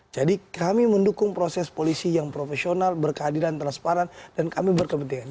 jadi kami mendukung proses polisi yang profesional berkehadiran transparan dan kami berkepentingan